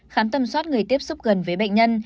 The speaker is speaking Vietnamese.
khám tầm soát người tiếp xúc gần với bệnh nhân